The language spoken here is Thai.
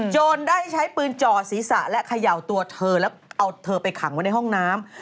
ได้ใช้ปืนจ่อศีรษะและเขย่าตัวเธอแล้วเอาเธอไปขังไว้ในห้องน้ำ